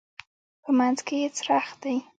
په منځ کې یې څرخ دی.